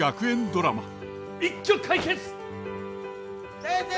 一挙解決！